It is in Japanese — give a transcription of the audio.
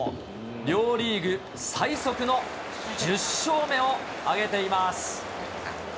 両リーグ最速の１０勝目を挙げています。